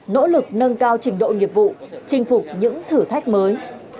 nỗ lực nâng cao trình độ nghiệp vụ chinh phục những thử thách mới